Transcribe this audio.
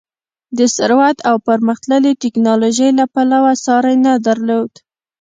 د ثروت او پرمختللې ټکنالوژۍ له پلوه ساری نه درلود.